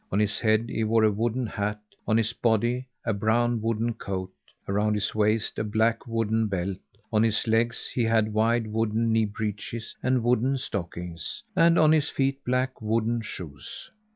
On his head he wore a wooden hat; on his body, a brown wooden coat; around his waist, a black wooden belt; on his legs he had wide wooden knee breeches and wooden stockings; and on his feet black wooden shoes.